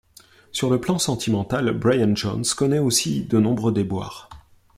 Sur le plan sentimental, Brian Jones connaît aussi de nombreux déboires.